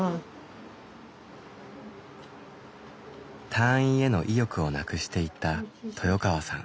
退院への意欲をなくしていった豊川さん。